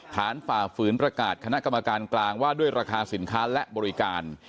ฝ่าฝืนประกาศคณะกรรมการกลางว่าด้วยราคาสินค้าและบริการ